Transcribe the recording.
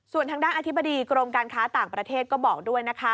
ส่วนทางด้านอธิบดีกรมการค้าต่างประเทศก็บอกด้วยนะคะ